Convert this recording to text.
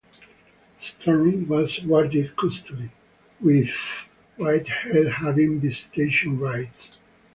Stern was awarded custody, with Whitehead having visitation rights.